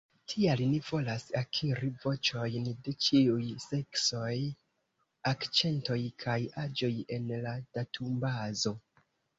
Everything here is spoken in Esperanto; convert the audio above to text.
Tial ni volas akiri voĉojn de ĉiuj seksoj, akĉentoj kaj aĝoj en la datumbazo.